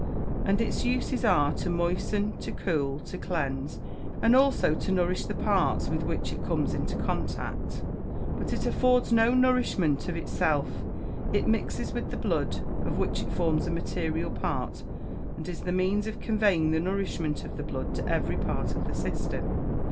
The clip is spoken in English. And its uses are, to moisten, to cool, to cleanse, and also to nourish the parts with which it comes in contact. But it affords no nourishment of itself; it mixes with the blood, of which it forms a material part, and is the means of conveying the nourishment of the blood to every part of the system.